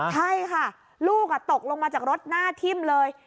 ใช่ค่ะลูกตกลงมาจากรถหน้าทิ่มเลย